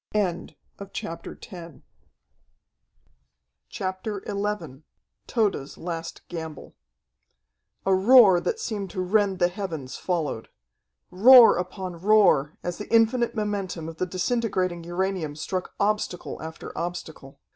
CHAPTER XI Tode's Last Gamble A roar that seemed to rend the heavens followed. Roar upon roar, as the infinite momentum of the disintegrating uranium struck obstacle after obstacle.